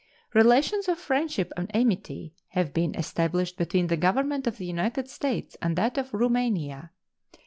Relations of friendship and amity have been established between the Government of the United States and that of Roumania.